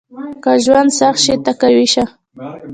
• که ژوند سخت شي، ته قوي شه.